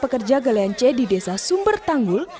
pekerja galian c di desa sumber tanggul